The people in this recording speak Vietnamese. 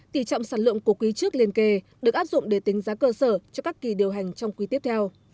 tỷ trọng sản lượng của quý trước liên kề được áp dụng để tính giá cơ sở cho các kỳ điều hành trong quý tiếp theo